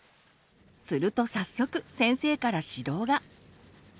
すると早速先生から指導が。